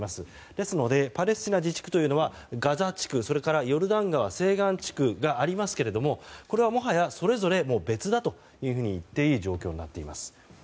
ですのでパレスチナ自治区というのはガザ地区、ヨルダン川西岸地区がありますがこれはもはやそれぞれ別だと言っていい状況になっています。